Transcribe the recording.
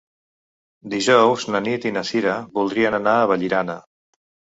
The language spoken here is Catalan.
Dijous na Nit i na Cira voldrien anar a Vallirana.